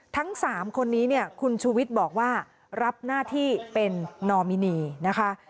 ทั้ง๓คนนี้เนี่ยคุณชูวิทย์บอกว่ารับหน้าที่เป็นนอมินีนะคะ